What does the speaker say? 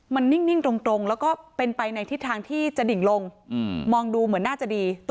มันนิ่งตรงแล้วก็เป็นไปในทิศทางที่จะดิ่งลงมองดูเหมือนน่าจะดี